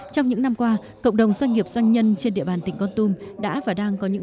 trong những năm qua cộng đồng doanh nghiệp doanh nhân trên địa bàn tỉnh con tum đã và đang có những